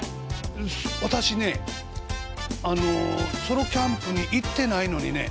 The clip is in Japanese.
私ねあのソロキャンプに行ってないのにね